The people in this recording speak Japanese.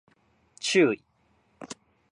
注意